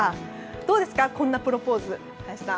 どうですか、こんなプロポーズ林さん。